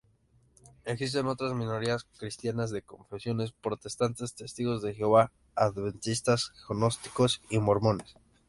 Existen otras minorías cristianas de confesiones protestante, testigos de Jehová, adventistas, gnósticos y mormones.